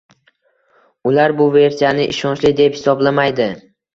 Ular bu versiyani ishonchli deb hisoblamaydi